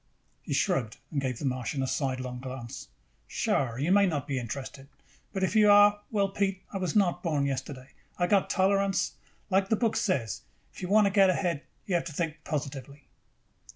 He shrugged and gave the Martian a sidelong glance. "Sure, you may not be interested. But if you are, well, Pete, I was not born yesterday. I got tolerance. Like the book says, if you want to get ahead, you have got to think positively."